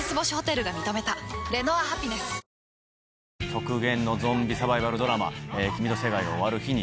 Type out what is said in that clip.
極限のゾンビサバイバルドラマ『君と世界が終わる日に』